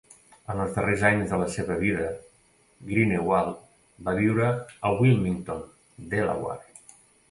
En els darrers anys de la seva vida, Greenewalt va viure a Wilmington, Delaware.